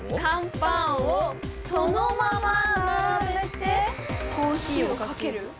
乾パンをそのまま並べてコーヒーをかける？